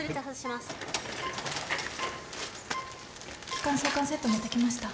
気管挿管セット持ってきました